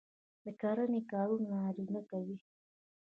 د کرنې کارونه نارینه کوي.